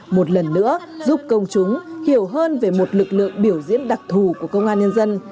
một lần nữa giúp công chúng hiểu hơn về một lực lượng biểu diễn đặc thù của công an nhân dân